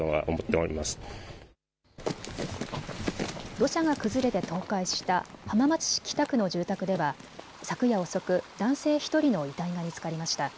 土砂が崩れて倒壊した浜松市北区の住宅では昨夜遅く男性１人の遺体が見つかりました。